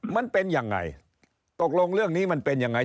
มันเป็นยังไงตกลงเรื่องนี้มันเป็นยังไง